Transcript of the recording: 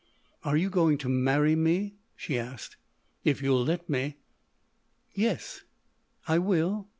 "Are you going to marry me?" she asked. "If you'll let me." "Yes—I will